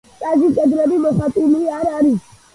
ტაძრის კედლები მოხატული არ არის.